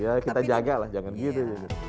iya kita jagalah jangan gitu